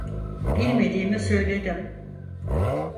Bilmediğimi söyledim.